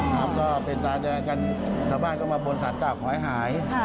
ครับก็เป็นตาแดงจากบ้านกลับมาบนสถานกราบขอให้หาย